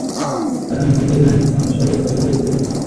তাঁরা মুক্তিযোদ্ধাদের নামে মিথ্যা মামলাসহ জমির ফসলাদি লুট করে নিয়ে যান।